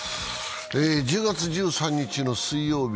１０月１３日の水曜日。